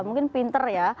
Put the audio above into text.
mungkin pinter ya